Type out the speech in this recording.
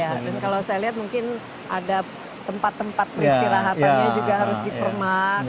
kalau saya lihat mungkin ada tempat tempat peristi rahatannya juga harus dipermak